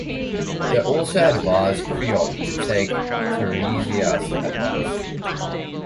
They also advise Creon to take Tiresias's advice.